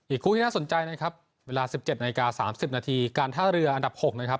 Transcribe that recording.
คู่ที่น่าสนใจนะครับเวลา๑๗นาฬิกา๓๐นาทีการท่าเรืออันดับ๖นะครับ